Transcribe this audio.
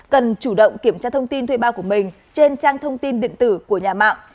cần chủ động kiểm tra thông tin thuê bao của mình trên trang thông tin điện tử của nhà mạng